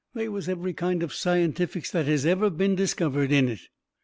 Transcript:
They was every kind of scientifics that has ever been discovered in it.